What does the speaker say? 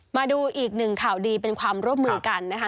มาดูอีกหนึ่งข่าวดีเป็นความร่วมมือกันนะคะ